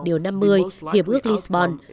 điều năm mươi hiệp ước lisbon